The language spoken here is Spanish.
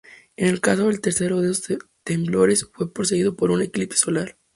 En el caso del tercero de estos temblores, fue precedido por un eclipse solar.